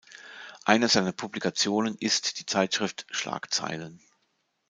Eine seiner Publikationen ist die Zeitschrift "Schlagzeilen".